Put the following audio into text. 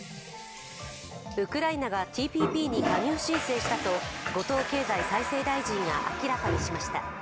ウクライナがＴＰＰに加入申請したと後藤経済再生大臣が、明らかにしました。